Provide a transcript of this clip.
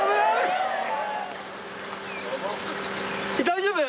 大丈夫！？